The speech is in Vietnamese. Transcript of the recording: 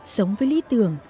sống với lý tưởng